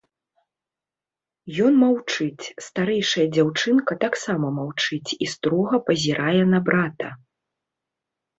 Ён маўчыць, старэйшая дзяўчынка таксама маўчыць і строга пазірае на брата.